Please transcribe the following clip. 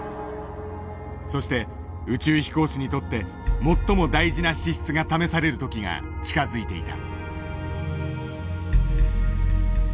そして宇宙飛行士にとって最も大事な資質が試される時が近づいていた。